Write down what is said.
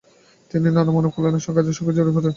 তিনি নানা মানবকল্যাণমূলক কাজের সঙ্গে জড়িয়ে পড়েন।